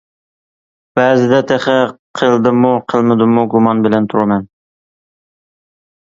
بەزىدە تېخى قىلدىممۇ قىلمىدىممۇ گۇمان بىلەن تۇرىمەن.